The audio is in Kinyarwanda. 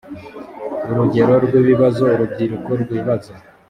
urugero rw’ibibazo urubyiruko rwibaza